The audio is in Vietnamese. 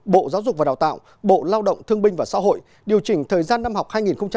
bộ giáo dục và đào tạo bộ lao động thương binh và xã hội điều chỉnh thời gian năm học hai nghìn một mươi chín hai nghìn hai mươi